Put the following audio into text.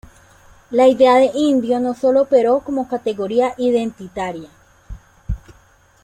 La idea de indio no sólo operó como categoría identitaria.